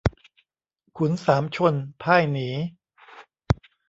ขุนสามชนพ่ายหนี